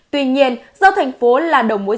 tuy nhiên do thành phố là đồng mối